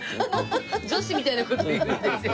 女子みたいな事言うんですよ。